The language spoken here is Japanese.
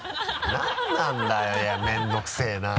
何なんだよめんどくせえなぁ。